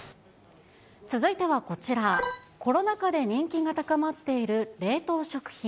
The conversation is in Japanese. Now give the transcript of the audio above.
続いてはこちら、コロナ禍で人気が高まっている冷凍食品。